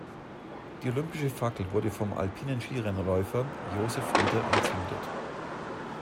Die olympische Fackel wurde vom alpinen Skirennläufer Josef Rieder entzündet.